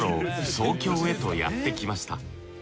東京へとやってきました。